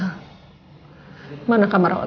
jadi siapa nih tepuk tangan